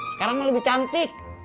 sekarang mah lebih cantik